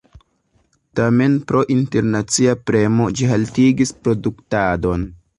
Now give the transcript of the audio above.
Tamen pro internacia premo ĝi haltigis produktadon.